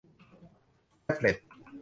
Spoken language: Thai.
แท็บเลต